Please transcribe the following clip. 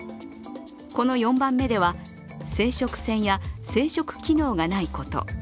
この４番目では生殖腺や生殖機能がないこと。